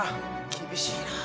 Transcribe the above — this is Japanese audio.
厳しいな。